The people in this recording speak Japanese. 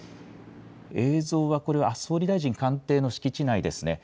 映像はこれは総理大臣官邸の敷地内ですね。